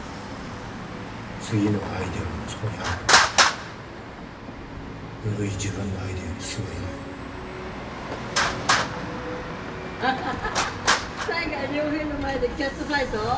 次のアイデアがもうそこにあるからだ古い自分のアイデアにすがらない犀賀涼平の前でキャットファイト？